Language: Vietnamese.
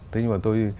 thế nhưng mà tôi